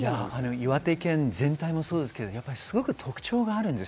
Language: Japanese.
岩手県全体もそうですが、すごく特徴があります。